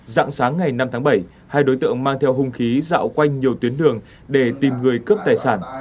dạng sáng ngày năm tháng bảy hai đối tượng mang theo hung khí dạo quanh nhiều tuyến đường để tìm người cướp tài sản